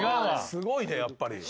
すごいねやっぱり。